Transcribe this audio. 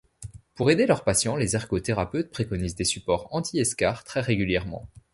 Pour aider leurs patients, les ergothérapeutes préconisent des supports anti-escarre très régulièrement.